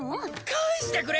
返してくれ！